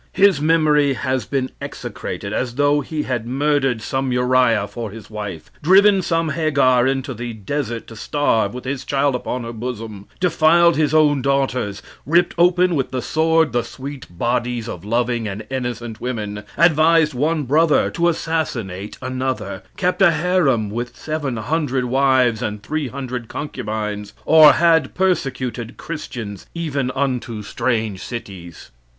His memory had been execrated as though he had murdered some Uriah for his wife; driven some Hagar into the desert to starve with his child upon her bosom; defiled his own daughters; ripped open with the sword the sweet bodies of loving and innocent women; advised one brother to assassinate another; kept a harem with seven hundred wives and three hundred concubines, or had persecuted Christians even unto strange cities.